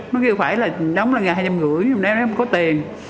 nó kêu phải là đóng là ngàn hai trăm ngưỡi nhưng em nói em có tiền